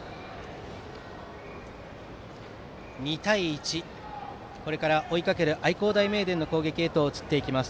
２対１、追いかける愛工大名電の攻撃へと向かっていきます。